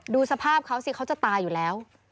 ดูสภาพเขาสิเขาจะตายอยู่แล้ว